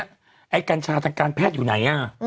ไอ้กัญชาทางการแพทย์อยู่ไหน